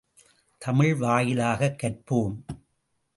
தமிழ் வாயிலாகக் கற்போம்!